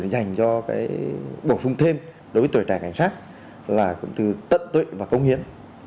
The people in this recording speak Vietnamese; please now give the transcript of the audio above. dành cho bổ sung thêm đối với tuổi trẻ cảnh sát là cụm từ tận tuệ và công hiến